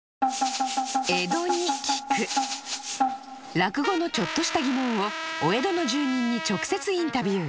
落語のちょっとした疑問をお江戸の住人に直接インタビュー。